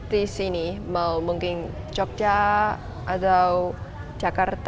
di sini mau mungkin jogja atau jakarta